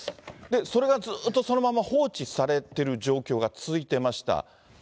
それがずっとそのまま放置されてる状況が続いてました。